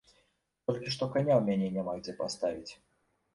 Толькі што каня ў мяне няма дзе паставіць.